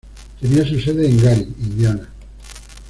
Tenía su sede en Gary, Indiana.